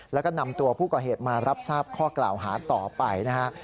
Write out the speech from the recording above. แล้วก็นำตัวผู้ก่อเหตุมารับทราบข้อกล่าวหาต่อไปนะฮะ